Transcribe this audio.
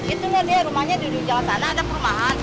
itu kan dia rumahnya di jalan sana ada perumahan